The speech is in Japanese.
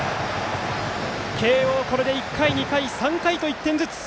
慶応、これで１回、２回、３回と１点ずつ。